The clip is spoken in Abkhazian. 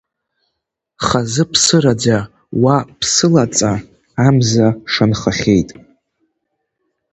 Хазы ԥсыраӡа, уа ԥсылаҵа, амза шанхахьеит.